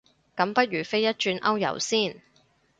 咁不如飛一轉歐遊先